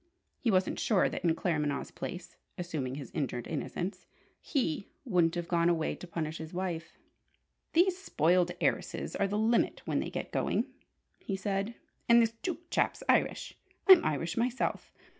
He wasn't sure that, in Claremanagh's place (assuming his injured innocence) he wouldn't have gone away to punish his wife. "These spoiled heiresses are the limit when they get going!" he said. "And this Duke chap's Irish. I'm Irish myself.